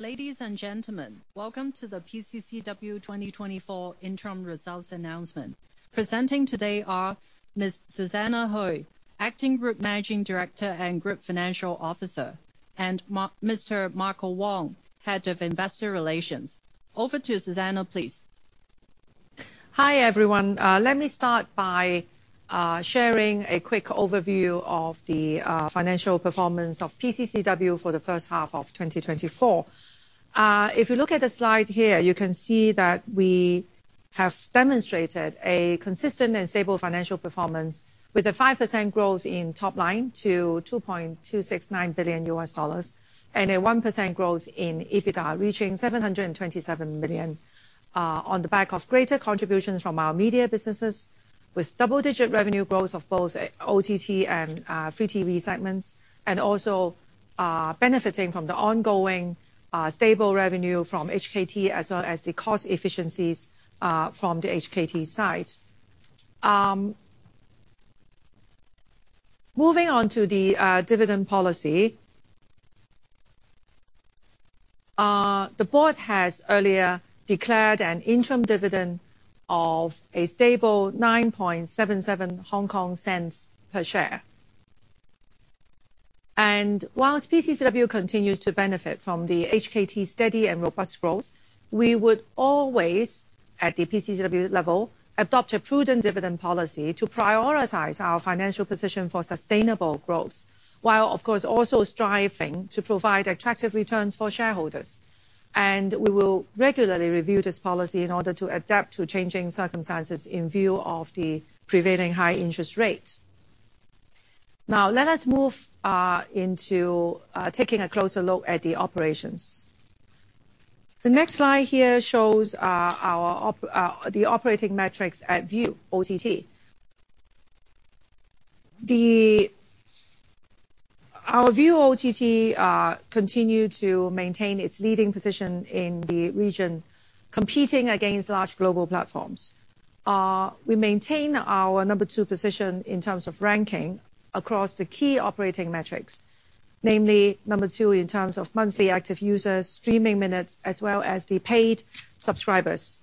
Ladies and gentlemen, welcome to the PCCW 2024 Interim Results Announcement. Presenting today are Ms. Susanna Hui, Acting Group Managing Director and Group Chief Financial Officer, and Mr. Marco Wong, Head of Investor Relations. Over to Susanna, please. Hi everyone. Let me start by sharing a quick overview of the financial performance of PCCW for the first half of 2024. If you look at the slide here, you can see that we have demonstrated a consistent and stable financial performance with a 5% growth in top line to $2.269 billion and a 1% growth in EBITDA, reaching $727 million on the back of greater contributions from our media businesses, with double-digit revenue growth of both OTT and Free TV segments, and also benefiting from the ongoing stable revenue from HKT, as well as the cost efficiencies from the HKT side. Moving on to the dividend policy, the board has earlier declared an interim dividend of a stable 0.0977 per share. While PCCW continues to benefit from the HKT's steady and robust growth, we would always, at the PCCW level, adopt a prudent dividend policy to prioritize our financial position for sustainable growth, while, of course, also striving to provide attractive returns for shareholders. We will regularly review this policy in order to adapt to changing circumstances in view of the prevailing high interest rate. Now, let us move into taking a closer look at the operations. The next slide here shows the operating metrics at Viu OTT. Our Viu OTT continues to maintain its leading position in the region, competing against large global platforms. We maintain our number two position in terms of ranking across the key operating metrics, namely number two in terms of monthly active users, streaming minutes, as well as the paid subscribers.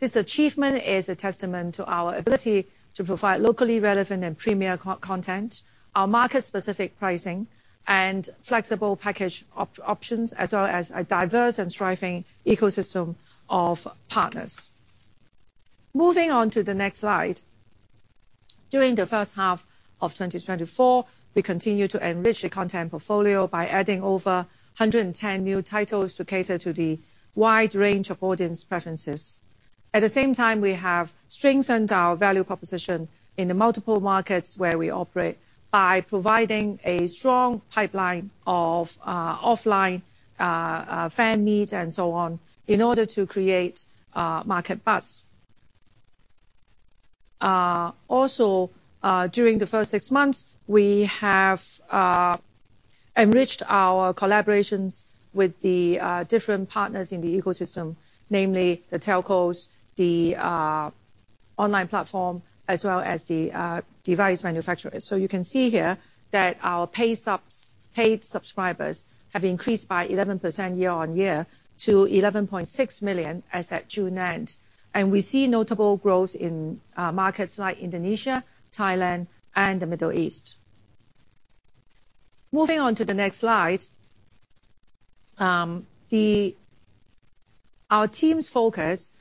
This achievement is a testament to our ability to provide locally relevant and premier content, our market-specific pricing, and flexible package options, as well as a diverse and thriving ecosystem of partners. Moving on to the next slide. During the first half of 2024, we continue to enrich the content portfolio by adding over 110 new titles to cater to the wide range of audience preferences. At the same time, we have strengthened our value proposition in the multiple markets where we operate by providing a strong pipeline of offline fan meet and so on in order to create market buzz. Also, during the first six months, we have enriched our collaborations with the different partners in the ecosystem, namely the telcos, the online platform, as well as the device manufacturers. So you can see here that our paid subscribers have increased by 11% year-on-year to 11.6 million as at June end. We see notable growth in markets like Indonesia, Thailand, and the Middle East. Moving on to the next slide, our team's focus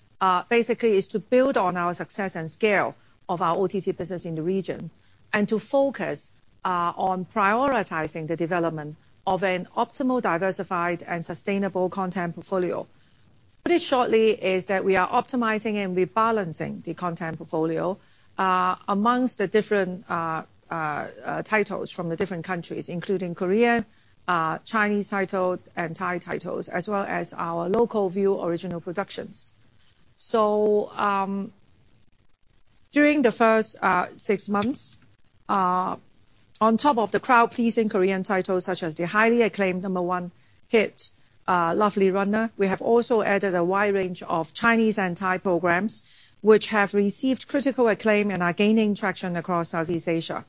basically is to build on our success and scale of our OTT business in the region and to focus on prioritizing the development of an optimal, diversified, and sustainable content portfolio. Put it shortly, it is that we are optimizing and rebalancing the content portfolio among the different titles from the different countries, including Korean, Chinese titles, and Thai titles, as well as our local Viu Original productions. During the first six months, on top of the crowd-pleasing Korean titles such as the highly acclaimed number one hit, Lovely Runner, we have also added a wide range of Chinese and Thai programs, which have received critical acclaim and are gaining traction across Southeast Asia.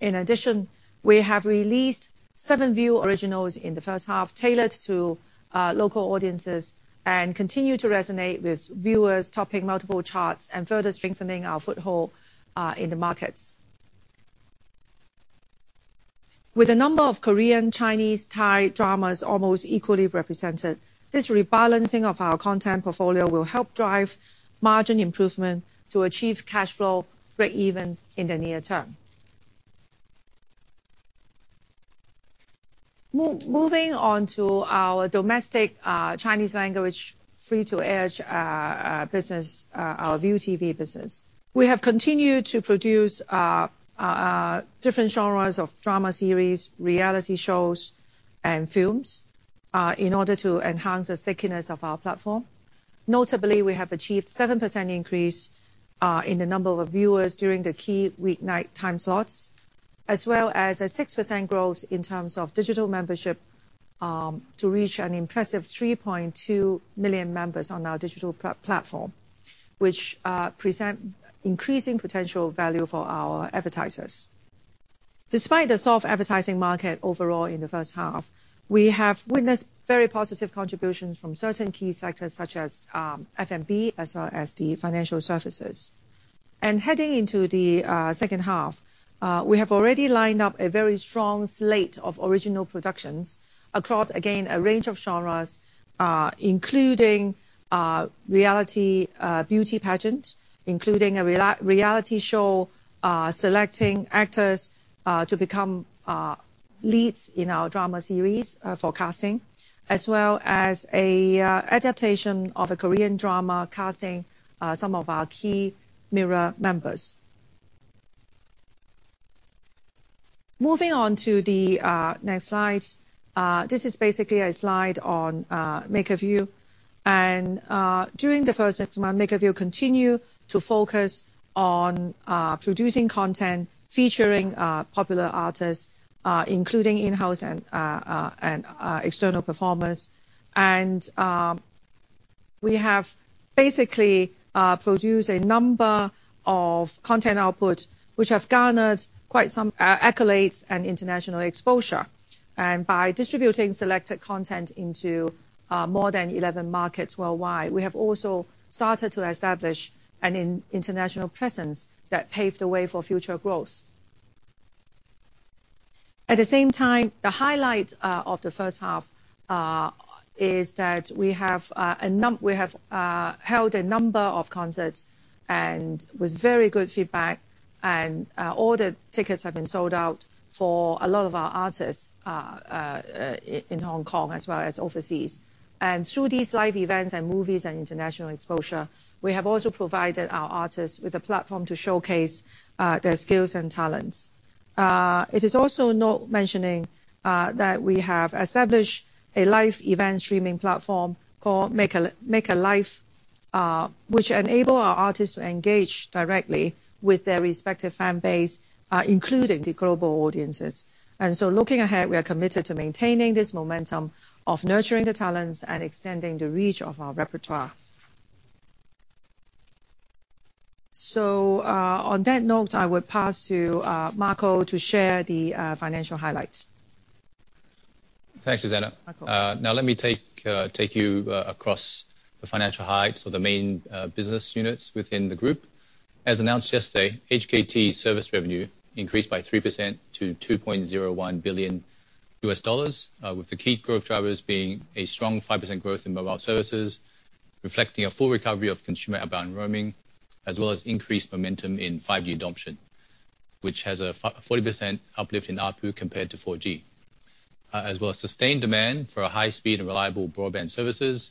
In addition, we have released seven Viu originals in the first half tailored to local audiences and continue to resonate with viewers, topping multiple charts and further strengthening our foothold in the markets. With a number of Korean, Chinese, Thai dramas almost equally represented, this rebalancing of our content portfolio will help drive margin improvement to achieve cash flow break-even in the near term. Moving on to our domestic Chinese language free-to-air business, our ViuTV business, we have continued to produce different genres of drama series, reality shows, and films in order to enhance the stickiness of our platform. Notably, we have achieved a 7% increase in the number of viewers during the key weeknight time slots, as well as a 6% growth in terms of digital membership to reach an impressive 3.2 million members on our digital platform, which presents increasing potential value for our advertisers. Despite the soft advertising market overall in the first half, we have witnessed very positive contributions from certain key sectors such as F&B, as well as the financial services. Heading into the second half, we have already lined up a very strong slate of original productions across, again, a range of genres, including reality beauty pageants, including a reality show selecting actors to become leads in our drama series for casting, as well as an adaptation of a Korean drama casting some of our key MIRROR members. Moving on to the next slide, this is basically a slide on MakerVille. During the first six months, MakerVille continued to focus on producing content featuring popular artists, including in-house and external performers. We have basically produced a number of content outputs which have garnered quite some accolades and international exposure. By distributing selected content into more than 11 markets worldwide, we have also started to establish an international presence that paved the way for future growth. At the same time, the highlight of the first half is that we have held a number of concerts with very good feedback, and all the tickets have been sold out for a lot of our artists in Hong Kong as well as overseas. Through these live events and movies and international exposure, we have also provided our artists with a platform to showcase their skills and talents. It is also noteworthy that we have established a live event streaming platform called MakeALive, which enables our artists to engage directly with their respective fan base, including the global audiences. And so looking ahead, we are committed to maintaining this momentum of nurturing the talents and extending the reach of our repertoire. So on that note, I would pass to Marco to share the financial highlights. Thanks, Susanna. Now let me take you across the financial highlights of the main business units within the group. As announced yesterday, HKT's service revenue increased by 3% to $2.01 billion, with the key growth drivers being a strong 5% growth in mobile services, reflecting a full recovery of consumer outbound roaming, as well as increased momentum in 5G adoption, which has a 40% uplift in output compared to 4G, as well as sustained demand for high-speed and reliable broadband services,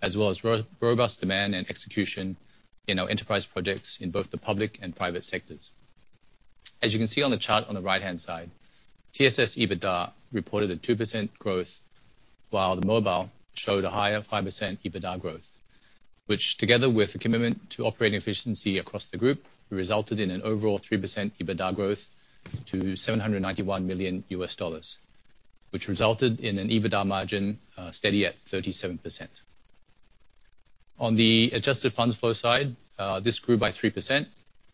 as well as robust demand and execution in our enterprise projects in both the public and private sectors. As you can see on the chart on the right-hand side, TSS EBITDA reported a 2% growth, while the mobile showed a higher 5% EBITDA growth, which, together with the commitment to operating efficiency across the group, resulted in an overall 3% EBITDA growth to $791 million, which resulted in an EBITDA margin steady at 37%. On the adjusted funds flow side, this grew by 3%,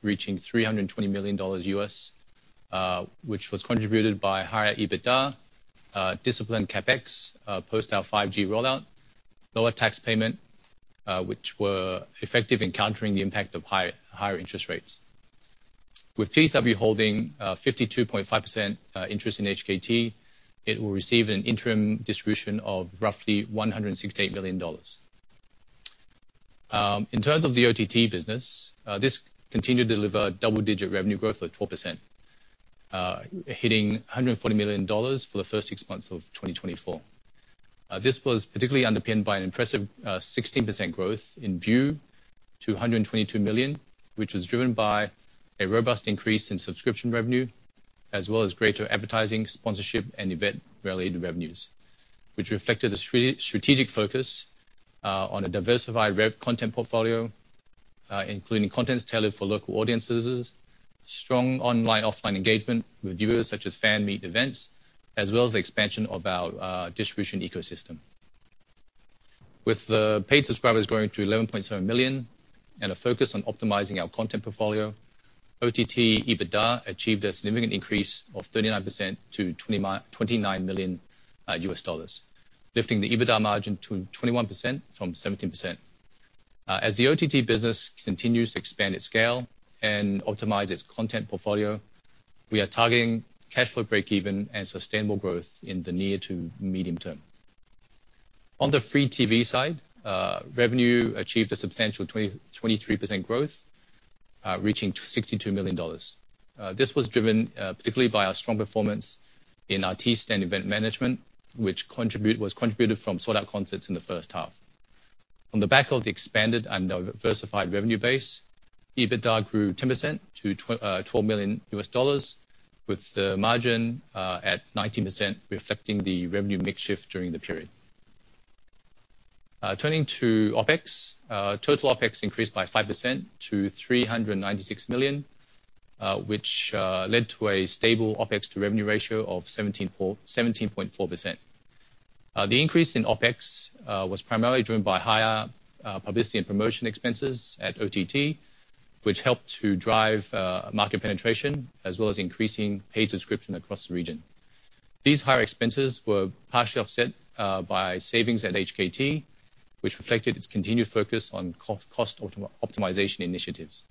reaching $320 million, which was contributed by higher EBITDA, disciplined CapEx post our 5G rollout, lower tax payment, which were effective in countering the impact of higher interest rates. With PCCW holding 52.5% interest in HKT, it will receive an interim distribution of roughly $168 million. In terms of the OTT business, this continued to deliver double-digit revenue growth of 4%, hitting $140 million for the first six months of 2024. This was particularly underpinned by an impressive 16% growth in Viu to $122 million, which was driven by a robust increase in subscription revenue, as well as greater advertising, sponsorship, and event-related revenues, which reflected a strategic focus on a diversified content portfolio, including contents tailored for local audiences, strong online/offline engagement with viewers such as fan meet events, as well as the expansion of our distribution ecosystem. With the paid subscribers growing to 11.7 million and a focus on optimizing our content portfolio, OTT EBITDA achieved a significant increase of 39% to $29 million, lifting the EBITDA margin to 21% from 17%. As the OTT business continues to expand its scale and optimize its content portfolio, we are targeting cash flow break-even and sustainable growth in the near to medium term. On the ViuTV side, revenue achieved a substantial 23% growth, reaching $62 million. This was driven particularly by our strong performance in our MakerVille event management, which was contributed from sold-out concerts in the first half. On the back of the expanded and diversified revenue base, EBITDA grew 10% to $12 million, with the margin at 19%, reflecting the revenue mix shift during the period. Turning to OpEx, total OpEx increased by 5% to $396 million, which led to a stable OpEx-to-revenue ratio of 17.4%. The increase in OpEx was primarily driven by higher publicity and promotion expenses at OTT, which helped to drive market penetration, as well as increasing paid subscription across the region. These higher expenses were partially offset by savings at HKT, which reflected its continued focus on cost optimization initiatives.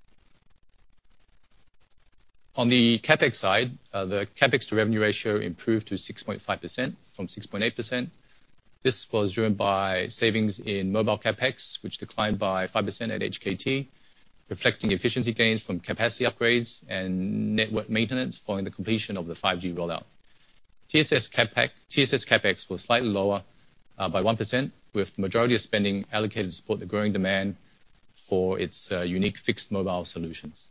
On the CapEx side, the CapEx-to-revenue ratio improved to 6.5% from 6.8%. This was driven by savings in mobile CapEx, which declined by 5% at HKT, reflecting efficiency gains from capacity upgrades and network maintenance following the completion of the 5G rollout. TSS CapEx was slightly lower by 1%, with the majority of spending allocated to support the growing demand for its unique fixed mobile solutions.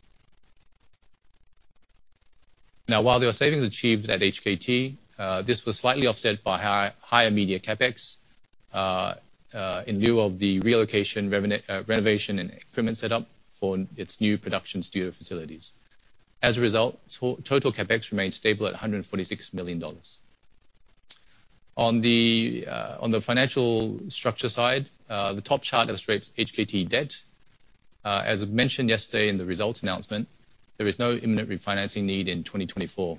Now, while there were savings achieved at HKT, this was slightly offset by higher media CapEx in lieu of the relocation, renovation, and equipment setup for its new production studio facilities. As a result, total CapEx remained stable at $146 million. On the financial structure side, the top chart illustrates HKT debt. As mentioned yesterday in the results announcement, there is no imminent refinancing need in 2024.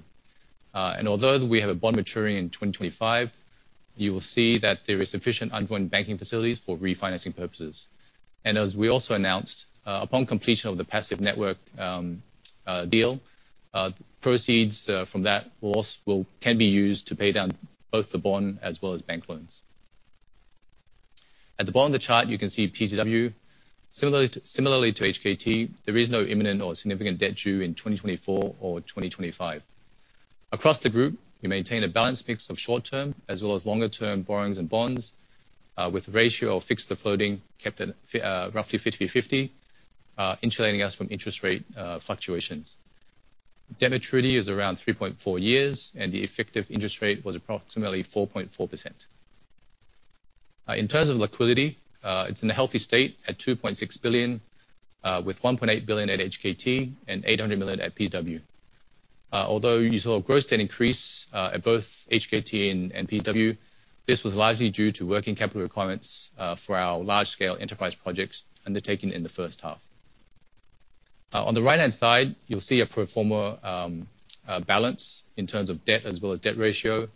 Although we have a bond maturing in 2025, you will see that there are sufficient undrawn banking facilities for refinancing purposes. As we also announced, upon completion of the passive network deal, proceeds from that can be used to pay down both the bond as well as bank loans. At the bottom of the chart, you can see PCCW. Similarly to HKT, there is no imminent or significant debt due in 2024 or 2025. Across the group, we maintain a balanced mix of short-term as well as longer-term borrowings and bonds, with a ratio of fixed to floating kept at roughly 50/50, insulating us from interest rate fluctuations. Debt maturity is around 3.4 years, and the effective interest rate was approximately 4.4%. In terms of liquidity, it's in a healthy state at $2.6 billion, with $1.8 billion at HKT and $800 million at PCCW. Although you saw a growth state increase at both HKT and PCCW, this was largely due to working capital requirements for our large-scale enterprise projects undertaken in the first half. On the right-hand side, you'll see a pro forma balance in terms of debt as well as debt ratio.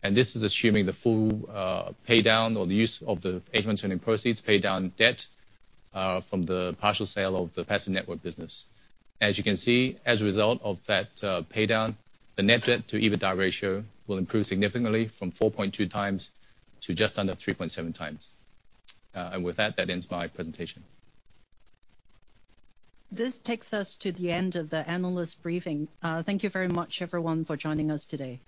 This is assuming the full paydown or the use of the H1 2024 proceeds paydown debt from the partial sale of the passive network business. As you can see, as a result of that paydown, the net debt-to-EBITDA ratio will improve significantly from 4.2x to just under 3.7x. With that, that ends my presentation. This takes us to the end of the analyst briefing. Thank you very much, everyone, for joining us today.